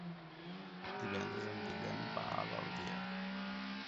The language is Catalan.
Divendres en Guillem va a l'Aldea.